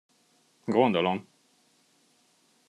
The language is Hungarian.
Gondolom!